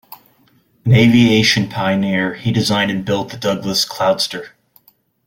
An aviation pioneer, he designed and built the Douglas Cloudster.